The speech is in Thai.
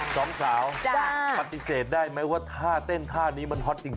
สองสาวปฏิเสธได้ไหมว่าท่าเต้นท่านี้มันฮอตจริง